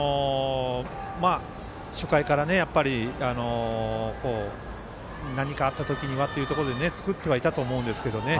初回から何かあった時にはということで作ってはいたと思うんですけどね